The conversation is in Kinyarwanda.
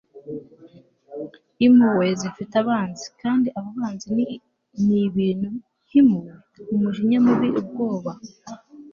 impuhwe zifite abanzi, kandi abo banzi ni ibintu nk'impuhwe, umujinya mubi, ubwoba. - joan halifax